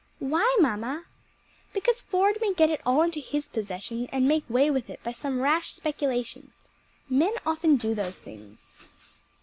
"Why, mamma?" "Because Ford may get it all into his possession and make way with it by some rash speculation. Men often do those things."